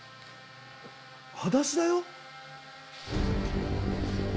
はだしだよ？